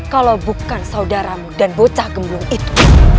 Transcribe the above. kalau bukan saudaramu dan bocah gembung itu